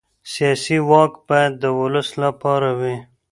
سیاسي واک باید د ولس لپاره وي